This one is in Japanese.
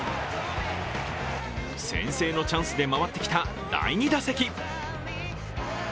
先制のチャンスで回ってきた第２打席。